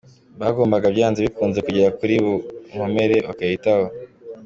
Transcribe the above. Bagombaga byanze bikunze kugera kuri buri nkomere bakayitaho.